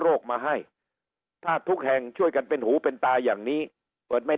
มาให้ถ้าทุกแห่งช่วยกันเป็นหูเป็นตาอย่างนี้เปิดไม่